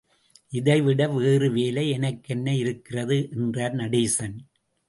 இதைவிட வேறு வேலை எனக் கென்ன இருக்கிறது? என்றார் நடேசன்.